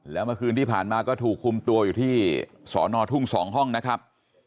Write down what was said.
แล้วเมื่อคืนที่ผ่านมาก็ถูกคุมตัวอยู่ที่สอนอทุ่ง๒ห้องนะครับ